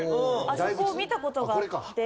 あそこを見た事があって。